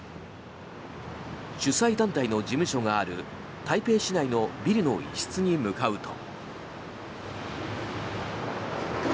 主催団体の事務所がある台北市内のビルの一室に向かうと。